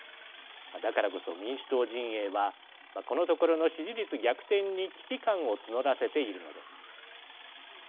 だからこそ民主党陣営はこのところの支持率逆転に危機感を募らせているのです。